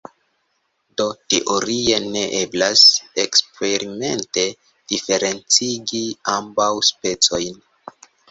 Do teorie ne eblas eksperimente diferencigi ambaŭ specojn.